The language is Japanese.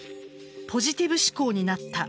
ポジティブ思考になった。